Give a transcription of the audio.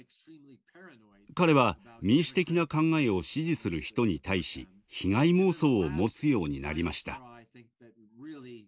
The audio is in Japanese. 彼は民主的な考えを支持する人に対し被害妄想を持つようになりました。